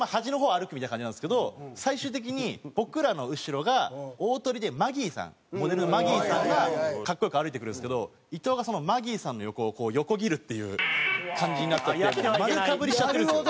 最終的に僕らの後ろが大トリでマギーさんモデルのマギーさんが格好良く歩いてくるんですけど伊藤がそのマギーさんの横を横切るっていう感じになっちゃって丸かぶりしちゃってるんですよ。